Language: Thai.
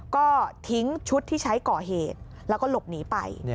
ก็ทิ้งชุดที่ใช้ก่อเหตุแล้วก็หลบหนีไป